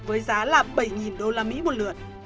với giá là bảy usd một lượt